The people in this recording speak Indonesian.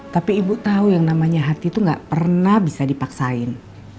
tapi ibu tahu yang namanya hati itu gak pernah bisa dipaksain